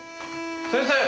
先生！